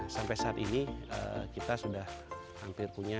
sampai saat ini kita sudah hampir punya